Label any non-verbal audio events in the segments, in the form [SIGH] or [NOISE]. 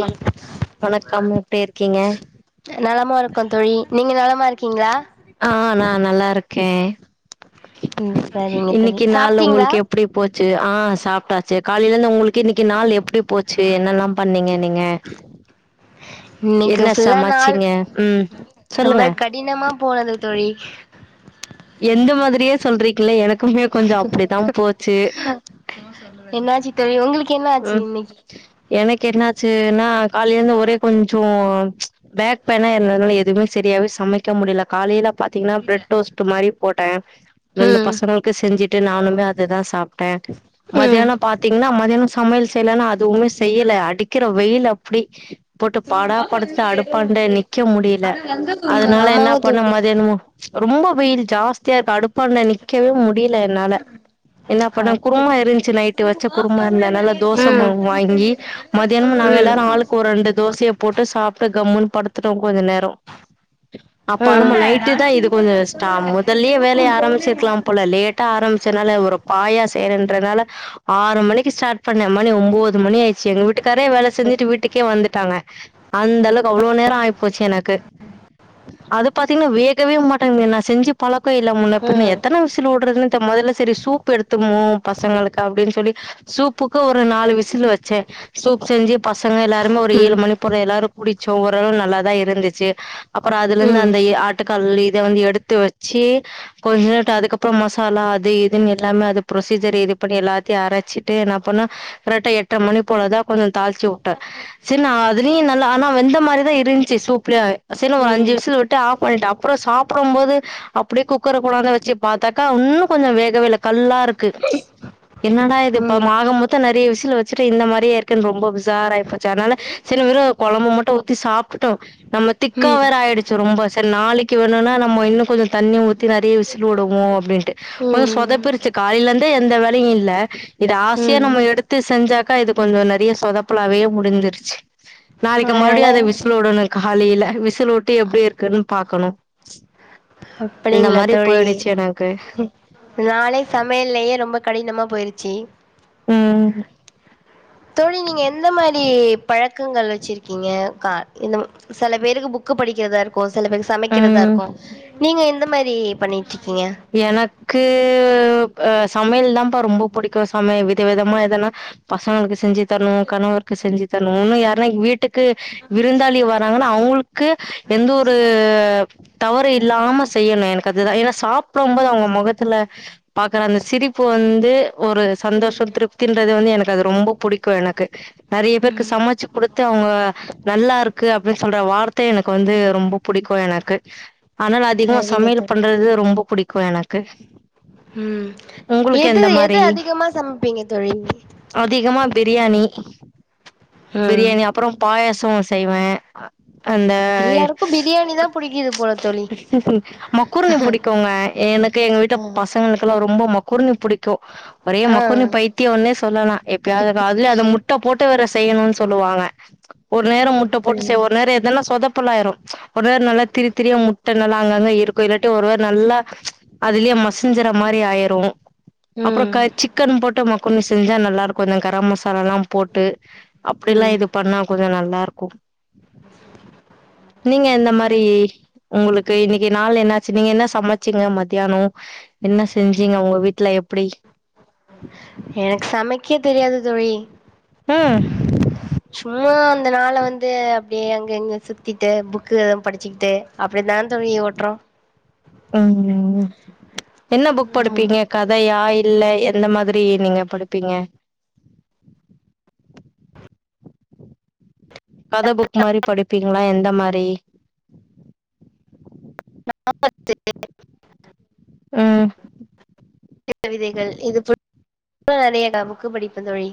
வணக் வணக்கம் எப்டி இருக்கீங்க நலமா இருக்கோ தோழி நீங்க நலமா இருக்கீங்களா ஆ நா நல்லா இருக்கேன் ம் சரிங்க தோழி இன்னைக்கு நாள் சாப்ட்டீங்களா உங்களுக்கு எப் ப்டி போச்சு ஆ சாப்பிட்டாச்சு காலையிலருந்து உங்களுக்கு இன்னைக்கு நாள் எப்டி போச்சி என்னல்லா பண்ணீங்க நீங்க இன்னிக்கு என்ன ஃபுல்லா நாள் சமச்சீங்க ம் ரொம்ப சொல்லுங்க கடினமா போனது தோழி எந்த மாதிரியே சொல்றீங்கலே எனக்குமே கொஞ்சோ அப்டித்தா போச்சு என்னாச்சி தோழி உங்களுக்கு என்ன ஆச்சு ம் இன்னைக்கு எனக்கு என்னாச்சுன்னா காலையில இருந்து ஒரே கொஞ்சோ பேக் பெயின்னா இருந்துனால எதுவுமே சரியாவே சமைக்க முடியல காலையில பாத்தீங்கன்னா பிரட்டோஸ்ட் மாதிரி போட்ட ரெண்டு ம் பசங்களுக்கு செஞ்சுட்டு நானுமே அதேதா சாப்ட்ட ம் மத்தியானம் பாத்தீங்கன்னா? மத்தியானம் சமையல் செய்யலா, அதுவுமே செய்யல அடிக்கிற வெயில் அப்டி. போட்டு படா படுத்து அடுப்பாண்ட நிக்க முடில அதனால என்ன ஆமாங்க பண்ண தோழி மதியானம ரொம்ப! வெயில் ஜாஸ்தியா இருக்கு அடுப்பு. அடுபாண்டா நிக்கவே முடில என்னால என்ன பண்ண அப்டி குருமா இருந்துச்சு, நைட்டு ம் வச்ச குருமா இருந் இல்ல. அதுனால தோச ம் ம் ம் மாவு வாங்கி? மதியான நாங்க ம் ம் எல்லாரும், ஆளுக்கு ஒரு ரெண்டு தோசைய போட்டு சாப்பிட்டு கம்முன் படுத்துட்டோ கொஞ்ச நேர அப்ப நம்ம நைட்டு தா இது கொஞ்ச ரெஸ்டா முதல்லயே வேலைய ஆரம்பிச்சிருக்கலாம் போல லேட்.. ஆரம்பிச்சதுனால ஒரு பாயா சேய்றன்துறனால ஆறு மணிக்கு ஸ்டார்ட் பன்னெ மணி ஒன்பது மணி ஆயிச்சு எங்க வீட்டுக்காரே வேலை செஞ்சுட்டு வீட்டுக்கே வந்துட்டாங்க அந்த அளவுக்கு அவ்வளோ நேர ஆயிப்போச்சு எனக்கு. அது பாத்தீங்கன்னா! வேகவே மாட்டங்குது நா செஞ்ச பழக்க இல்ல முன்ன பின்ன எத்தன விசில் வுடுறதுன்னு.. முதல்ல சரி, சூப் எடுத்துமோ பசங்களுக்கு அப்டின்னு சொல்லி சூப்.. சுப்புக்கு ஒரு நாலு விசில் வச்ச சூப் செஞ்சு பசங்க எல்லாருமே ஒரு ஏழு மணி போல எல்லாரும் குடிச்சோ ஓரளவு நல்லாதா இருந்துச்சு. அப்பற அதுல இருந்து அந்த ஆட்டுக்கல் இத வந்து எடுத்து வச்சு. கொஞ்ச [UNINTELLIGIBLE] அதுக்கப்பற மசாலா அது இதுன்னு எல்லாமே அது ப்ரொசீஜர் இது பண்ணி எல்லாத்தையும் அரச்சு. அப்டிட்டு என்ன பண்ண கரெக்டா எட்ர மணி போலதா கொஞ்ச தாளிச்சி வுட்ட சரி நா அதுலயு நல்லா ஆனா! வெந்த மாதிரிதா இருந்துச்சு. சூப்புல சரின்னு ஒரு அஞ்சு விசில் வுட்டு. ஆப் பண்ணிட்டு. அப்பற சாப்டும், போது அப்டியே! குக்கர கொண்டாந்து வச்சு பார்த்தாக்கா. இன்னு கொஞ்ச வேகவே இல்ல கல்லா இருக்கு. என்னடா! இது இப்ப மாக முட்டு. நெறைய விசில் வச்சுட்டு, இந்த மாரியே இருக்குன்னு ரொம்ப உஷாரா ஆயி போச்சு அதனால சரி வேறு குழம்ப மட்டும் ஊத்தி சாப்புட்டோ நம்ம ம் திக்கா வேர ஆயிடுச்சு. ரொம்ப! சரி நாளைக்கு வேணும்னா நம்ம இன்னு கொஞ்ச தண்ணிய ஊத்தி நெறைய விசில் விடுவோ அப்டின்னு ம் கொஞ்ச, ம் சொதப்பிருச்சு காலையில இருந்தே எந்த வேலையும் இல்ல இது ஆசையா ம் நம்ம எடுத்து. எடுத்து செஞ்சாக்கா. இது கொஞ்ச நெறைய சொதப்பலாவே முடிஞ்சிருச்சு. நாளைக்கு அதனால மறுபடியும் அத விசில் விடணும் காலையில விசில் விட்டு எப்டி இருக்குன்னு பாக்கணு இந்த அப்படிங்களா மாதிரி போயிடுச்சு. எனக்கு இந்த நாளே, சமைலயே ரொம்ப கடினமா போயிருச்சு. ம்... தோழி நீங்க! எந்த மாதிரி பழக்கங்கள் வச்சிருக்கீங்க? கா இந்த சில பேருக்கு புக்கு படிக்கிறதா இருக் சில பேர் சமைக்கிறதா ம் இருக்கும். நீங்க எந்த மாதிரி பண்ணிட்டு இருக்கீங்க எனக்கு அ சமையல் தான்ப்பா ரொம்ப பிடிக்கும். சமையல் வித விதமா எதன்னா பசங்களுக்கு செஞ்சு.. தரனும். கணவருக்கு செஞ்சு தரனும், இன்னு யார்ன்னா வீட்டுக்கு விருந்தாளி வராங்கன்னா அவுங்களுக் க்கு எந்த ஒரு.. தவறு இல்லாம செய்யணும். எனக்கு அதுதா ஏன்னா! சாப்ட போது அவங்க முகத்துல பாக்குற அந்த சிரிப்பு இப்போ வந்து ஒரு சந்தோஷ திருப்தின்றது வந்து எனக்கு அது ரொம்ப! புடிக்கும் எனக்கு நிறைய பேருக்கு ம் சமைச்சு கொடுத்து. அவங்க நல்லா இருக்கு, அப்டின்னு சொல்ற வார்த்த எனக்கு வந்து ரொம்ப! புடிக்கும் எனக்கு அதனால அதிகமா சரிங்க சமையல் தோழி பண்றது ரொம்ப புடிக்கும். எனக்கு உம் உங்களுக்கு எது எந்த எது மாரி அதிகமா சமைப்பீங்க தோழி அதிகமா, பிரியாணி ம் பிரியாணி அப்புறம் பாயசோ செய்வேன். அந்த, எல்லாருக்கு பிரியாணி தா புடிக்குது போல தோழி மக்ரூனி பிடிக்குங்க. எ எனக்கு எங்க வீட்டு, ஆ பசங்களுக்குல்லாம் ரொம்ப மக்ரோனி பிடிக்கும். ஒரே ஆ மக்ரோன் பையித் த்தியோனு சொல்லலாம். எப்பயாவ்து அதுலயே அது முட்ட போட்டு வேற செய்யணும்னு சொல்லுவாங்க. ஒரு நேரம் முட்ட போட்டு அப்படிங்க செய்னும். ஒரு நேரோம் எதனா சொதப்பலாயிரும். ஒரு நேரொ நல்லா திருத்திரியா, முட்ட நல்லா அங்கங்க இருக்கும். இல்லாட்டி, ஒரு வேல நல்லா அதுலயே மஸ் சிஞ்சற மாரி ஆயிரும் அப்றம் ம் க சிக்கன் போட்டு மக்ரோனி செ செஞ்சா நல்லா இருக்கும் கொஞ்சம் கரம் மசாலா எல்லாம் போட்டு அப்டிலாம் ம் இது பண்ணா கொஞ்சம் நல்லா இருக்கும் நீங்க எந்த மாரி ஒங்ளுக்கு இன்னைக்கு நாள் என்னாச்சு நீங்க என்ன சமச்சீங்க மத் தியானொம் என்ன செஞ்சீங்க ஒங்க வீட்ல‌ எப்டி எனக்கு சமைக்க தெரியாது தோழி ந சும்மா அந்த நாள வந்து அப்டியே அங்க இங்க சுத்திட்டு புக்குகளு படிச்சுகிட்டு அப்டித்தான் தோழி ஓட்றோம் ம் என்ன புக் படுப்பீங்க கதையா இல்ல எ எந்த மாதிரி நீங்க படுப்பீங்க இது புக் மாரி படுப்பீங்ளா எந்த மாரி நாவல் [INAUDIBLE] ம் பாரதியார் கவிதைகள் இது [INAUDIBLE] நெறைய பா புக் படிப்பே தோழி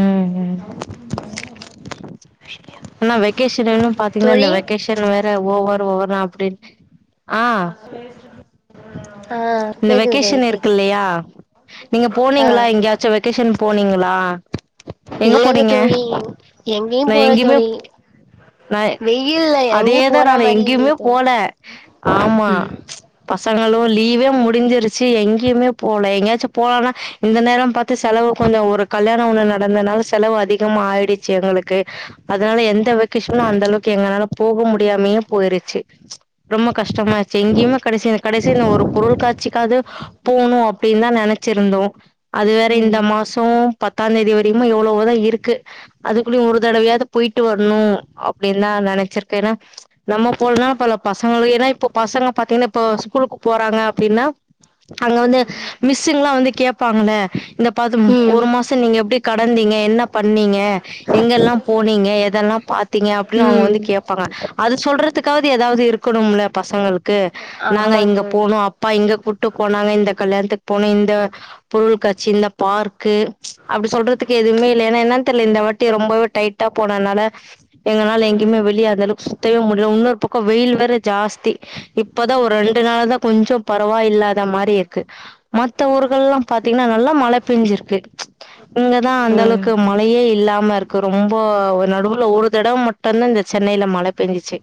ம் ம் ஆனா வெகேஷன்ல எல்லா பாத்தீங்கன்னா இந்த தோழி வெகேஷ ன் வேற ஓவர் ஓவர்னா அப்டின் அ தோழி [UNINTELLIGIBLE] இந்த வெகேஷன் இருக்கு கேக்கு இல்லையா நீங்க ஆ போனீங்ளா எங்கயாச்சு வெ வெகேஷன் போனீங்ளா எங்க இல்லங்க போனீங்க தோழி எங்கேயு நா போல எங்யுமே தோழி நாயு வெயில்ல எங்கேயு அதேதான் போற நான் மாரி இல்ல எங்கேயுமே தோழி போல ஆமா பசங்களும் லீவே மு முடிஞ்சிருச்சு எங்கேயமே போல எங்கயாச்சும் போலனா இந்த நேரம் பாத்து செலவு கொஞ்சம் ஒரு கல்யாணொ ஒன்னு நடந்தனால செலவு அதிகமா ஆயிடுச்சு எங்களுக்கு அதனால எந்த வெக்கேஷனும் அந்த அளவுக்கு எங்கனால போக முடியாமே போயிருச்சு ரொம்ப கஷ்டமாயிச்சி எங்கேயுமே கடைசியா கடைசியா நா ஒரு பொருள் காட்சிக்காவ்து போ போணும் அப்டின்னு தான் நெனைச்சிருந்தோம் அது வேற இந்த ம் மாசோ பத்தாந் தேதி வரையுமா எவ்ளோவோதான் இருக்கு அதுக்குள்ளயும் ஒரு தடவையாவ்து போயிட்டு வ ர்ணும் அப்டின்னு தான் நா நெனைச்சிருக்கேன்‌ ஏனா நம்ம போல்னா பல பசங்களு ஏன்னா இப்ப பசங்க பாத்தீங்ன்னா இப்போ ஸ்கூலுக்கு போறாங்க அப்டின்னா அங்க வந்து மிஸ்ங்க எல்லாம் வந்து கேப்பாங்களா இந்த பாத்தும் ம் ஒரு மாசொ நீங்க எப்டி கடந்தீங்க என்ன பண்ணீங்க எங்கெல்லாம் போனீங்க எதெல்லாம் பாத்தீங்க அப்ட்லா அவுங்க ம் வந்து கேப்பாங்க அது சொல்றதுக்காவுது ஏதாவது இருக்கணும்ல பசங்களுக்கு நாங்க ஆமா இங்க தோழி போனோம் அப்பா இங்க கூட்டுப் போனாங்க இந்த கல்யாணத்துக்கு போன இந்த பொருள்காட்சி இந்த பார்க்கு அப்டி சொல்றதுக்கு எதுவுமே இல்ல ஏன்னா என்னனு தெரியல இந்த வாட்டி ரொம்பவே டைட் ட்டா போனனால எங்கனால எங்கயுமே வெளிய அந்தளவுக் சுத்தவே முடில உன்னோர் பக்கோ வெயில் வேற ஜாஸ்தி இப்பதா ஒர் ரெண்டு நாள் தா கொஞ்சோ ப ரவா இல்லாத மாரி இர்க்கு மத்த ஊருகல்லா பாத்தீங்ன்னா நல்லா மழ பேஞ்சிர்க்கு இங்கதா ம் அந்தளவுக்கு மழையே இல்லாம இருக்கு ரொம்போ ஒ நடுவ்ல ஒரு தடவ மட் டுந்தா இந்த சென்னைல மழ பேஞ்சிச்சு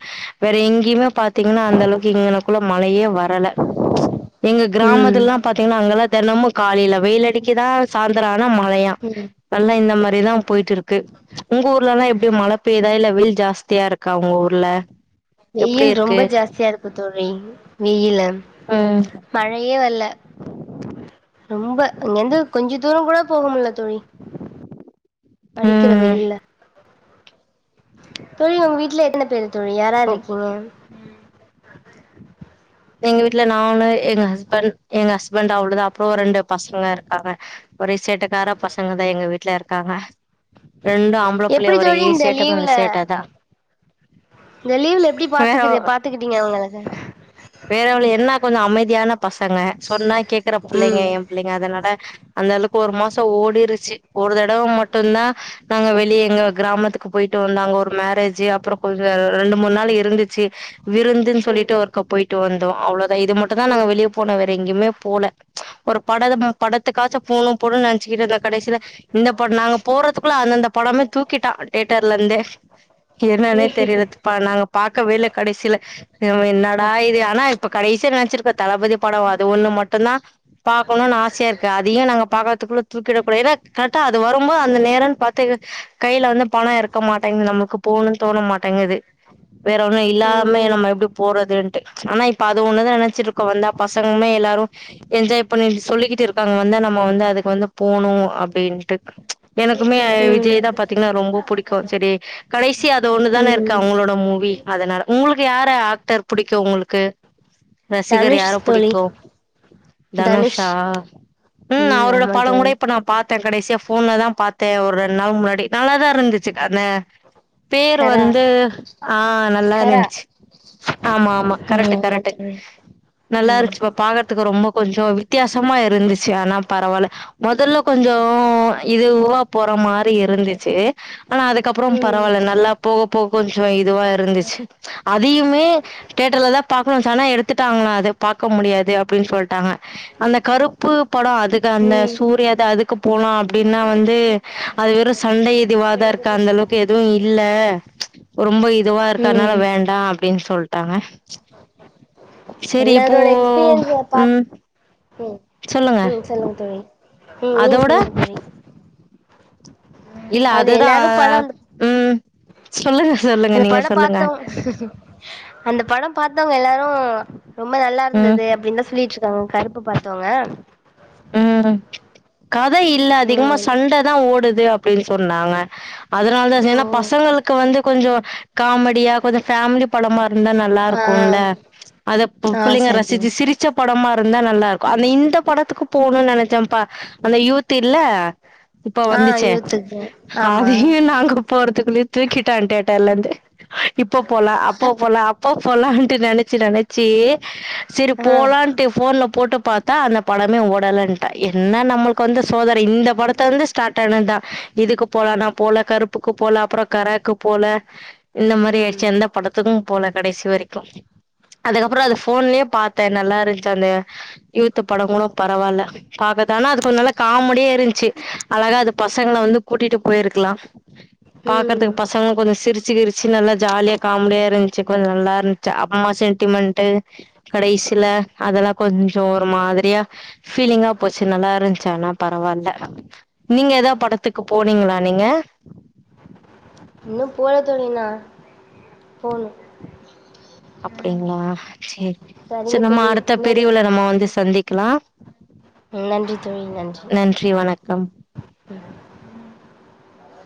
வேற எங்கயுமே பாத்தீங்கன்னா அந்தளவுக்கு இங்கனக்குள்ள மழையே வரல எங்க ம் கிராமத்துல்லா பாத்தீங்னா அங்கெல்லா தெனமு காலைல வெயில் அடிக்கிதா சாய்ந்தரோ ஆனா மழையா ம் நல்லா இந்த மாரிதா போய்ட்டுருக்கு உங்க ஊர்லல்லா எப்டி மழ பெய்தா இல்ல வெயில் ஜாஸ்தியா இருக்கா உங்க ஊர்ல எப்டி வெயில் இருக்கு ரொம்ப ஜாஸ்தியா இருக்கு தோழி வெயிலு ம் மழையே வர்ல ரொம்போ இங்கர்ந்து கொஞ்ச தூரங்கூட போக முட்ல தோழி அடிக்கிற ம் வெயில்ல தோழி உங்க வீட்ல எத்தன பேரு தோழி யாரார் ருக்கீங்க எங்க வீட்ல நானு எங்க ஹஸ்பண்ட் எங்க ஹஸ்பண்ட் அவ்ளோ தா அப்றோ ம் ரெண்டு பசங்க இருக்காங்க ஒரே சேட்டக்கார பசங்க தா எங்க வீட்ல இருக்காங்க ரெண்டு ஆ எப்பிடி தோழி இந்த லீவுல இந்த லீவ்ல எப்பிடி பாத்துக்கிரு பாத்துக்கிட் டீங்க அவுங்களக வேற ஒன்னுல்ல என்னா கொஞ்சோ அமைதியான பசங்க சொன்னா கேக்கற புள்ளைங்க ம் எம் இல்லைங்க அதனட அந்தளவுக்கு ஒரு மாசோ ஓடிருச்சு ஒரு தடவ மட்டுந்தா நாங்க வெளிய எங்க கிராமத்துக்கு போய்ட்டு வந்தோ அங்க ஒரு மேரேஜு அப்றோ கொஞ்சோ ரெண்டு மூண் நாள் இருந்துச்சி விருந்துன் ம் ம் சொல்லிட்டு ஒருக்கா போய் ட்டு வந்தோ அவ்ளோதா இது மட்டு தா நாங்க வெளிய போனோ வேற எங்கயுமே போல ஒரு படதுமு படத்துக்காச்சு போணு போணுன் நென்ச்சுக்கிட்டேர்ந்தே கடைசில இந்த பட் நாங்க போறத்துக்குள்ள அந்தந்த படமே தூக்கிட்டா தேட்டர்லர்ந்தே என்னன்னே தெரிரதுப்பா நாங்க பாக்கவே இல்ல கடைசில ம் என்னடா ம் இ து ஆனா இப்ப கடைசியா நென்ச்சிருக்க தளபதி படோ அது ஒன்னு மட்டுந்தா பாக்கணுன் ஆசையாருக்கு அதையு நாங்க பாக்கற்த்துக்குள்ள தூக்கிட கூடாத் ஏனா கரெட்டா அது வரும்போ அந்த நேரோன் பாத் துக கைல வந்து பணோ இருக்க மாட்டேங்கிது நமக்கு போணுன் தோண மாட்டேங்கிது வேற ஒன்னு இல்லாம நம்ம எப்டி போறதுன்ட்டு ஆனா இப்ப அது ஒன்னு தா நெனச்சிருக்கோ வந்தா பசங்மே எல்லாரு என்ஜாய் பண்ணீட் சொல்லிக்கிட்டுருக்காங்க வந்து நம்ம வந்து அதுக்கு வந்து போணு அப்டின்ட்டு எனக்குமே அ விஜய் ம் தா ம் பாத்தீங்னா ரொம்போ புடிக்கு செரி கடைசியா அது ஒன்னு தான இருக்கு ம் அவுங்களோட மூவி அதனால உங்களுக்கு யார ஆக்டர் புடிக்கு உங்களுக்கு ரசிகர் தனுஷ் யார தோழி புடிக்கு தனுஷ் தனுஷா ம் அவரோட ஆமா படங்கூட தோழி இப்ப நா பாத் தே கடைசியா ஃபோன்ல தா பாத்தே ஒர் ரெண் நாள் முன்னாடி நல்லா தா இருந்துச்சு கத பேர் கரா வந்து ஆ கரா நல்லாருந்ச்சு ஆமா ஆமா ம் கரெட்டு ஆமா கரெட்டு தோழி ம் நல்லாருந்ச்சு அப்ப பாக்கற்த்துக்கு ரொம்போ கொஞ்சோ வித்தியாசமா இருந்துச்சு ஆனா பரவால்ல மொதல்ல கொஞ்சோ இதுவா போற மாரி இருந்துச்சு ஆனா அதுக்கப்பறோ ம் பரவால்ல நல்லா போக போக கொஞ்சோ இதுவா இருந்துச்சு அதையுமே தேட்டர்ல தா பாக்கணுன்ஸு ஆனா எடுத்துட்டாங்க அது பாக்க முடியாது அப்டின் சொல்ட்டாங்க அந்த கரு உப்பு படம் அதுதான ம் சூரியாத்து அதுக்குப் போனோ அப்டின்னா வந்து அது வெறும் சண்டை இதிவாதா இருக் அந்த அளவுக்கு எதுவூ இல்ல ரொம்ப இதுவா இருக்கு அதனால ம் வேண்டா அப்டின்னு சொல்ட்டாங்க சரி இப்போ எல்லாரோட எக்ஸ்பீரியன்ஸ பாத் ம் சொல்லுங்க தொல்லுங்க தோழி ம் நீங்க அதோட செல்லுங்க தோழி இல்ல அது அதுதா எல்லாரு படோ அந்த ம் சொல்லுங்க சொல்லுங்க அந்த நீங்க படோ சொல்லுங்க பாத்தவங்க அந்த படம் பார்த்தவங்க எல்லாரூ ரொம்ப நல்லா ம் இருந்தது அப்படின்னு தா சொல்லிட் டிருந்தாங்க கருப்பு பார்த்தவங்க ம் கத இல்ல அதிகமா ம் சண்ட தா ஓடுது அப்டின்னு சொன்னாங்க அதனால தா ஏன்னா ஓ பசங்களுக்கு வந்து கொஞ்சொ காமெடியா கொஞ்சொ ஃபேமிலி படமா இருந்தா நல்லா ஆ இருக்கூல்ல அதை ப்பு ஆ புள்ளிங்க சரிங்க ரசிச்சு சிரிச் பிடிச்ச படமா இருந்தா நல்லா இருக்கூ அந்த இந்த படத்துக்கு போகணும்ன்னு நினைச்சேப்பா அந்த யூத் இல்ல இப்ப ஆ வந்துச்சே யூத்துக்கு ஆமா அதையூ நாங்க போறுத்துக்குல்லே தூக்கிட்டா தியேட்டர்ல இருந்து இப்ப போலா அப்பா போலா அப்பா போலான்ட்டு நெனைச்சு நெனைச் சே சரி ஆ போலான்ட்டு போன்ல போட்டு பார்த்தா அந்த படமே ஓட் நல்லா இருந்தா என்ன நம்மளுக்கு வந்து சோதனை இந்த படத்த வந்து ஸ்டார்ட் ஆனதுதா இதுக்கு போலானா போலாங் கருப்பு ப்புக்கு போல அப்புறோ கராக்கு போல இந்த மாதிரி ம் ஆயிடுச்சு எந்த படத்து த்து தா போனே கடைசி வரைக்கூ அதுக்கப்புறோ அது போன்லயே பார்த்தே நல்லா இருந்துச்சு அந்த யூத்து படங்களூ பரவால்ல அதுதான ‌அது கொஞ்சொ நல்ல காமெடியே இருந்துச்சு அழகா அது பசங்கள வந்து கூட்டிட்டு போயிருக்கலா ம் பாக்கறத்துக்கு பா சொம்மா பொரு சிரிச்சு கிரிச்சு நல்லா ஜாலியா காமெடியா இருந்ச்சு கொஞ்சொ நல்லா இருந்ச்சு அம்மா சென்டிமெண்ட்டூ கடைசியில அதெல்லா கொஞ்சொ ஒரு மாதிரியா ஃபீலிங்கா போச்சு நல்லா இருந்ச்சா ஆனா பரவால்ல நீங்க ஏதாவது படத்துக்கு போனீங்களா நீங்க இன்னூம் போனே தர்லிங்னா போணூ அப்டிங்களா அ செரி சரிங்க சேர் நம்ம தோழி அடுத்த நன்றி பிரிவுல நம்ம வந்து சந்திக்கலா நா வந்து ஃப்ரீலான்ச்ஸ் நன்றி வணக்கம்